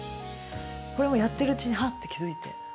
これをやっているうちにはっと気付いて。